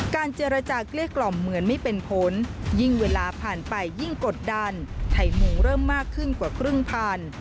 เจรจาเกลี้ยกล่อมเหมือนไม่เป็นผลยิ่งเวลาผ่านไปยิ่งกดดันไข่มุงเริ่มมากขึ้นกว่าครึ่งพัน